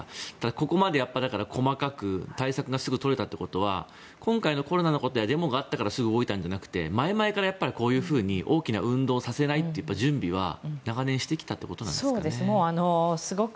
ここまで細かく対策がすぐに取れたということは今回のコロナのことやデモのことがあったからすぐ動いたんじゃなくて前々からこういうふうに大きな運動をさせないという準備は長年してきたということですかね？